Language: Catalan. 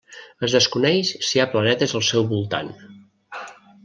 Es desconeix si hi ha planetes al seu voltant.